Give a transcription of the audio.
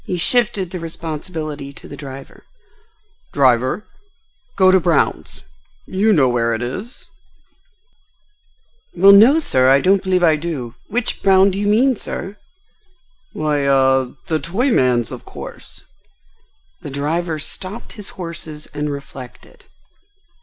He shifted the responsibility to the driver. "Driver, go to Brown's. You know where it is?" "Well, no, sir, I don't believe I do. Which Brown do you mean, sir?" "Why—ah—the toy man's, of course." The driver stopped his horses and reflected.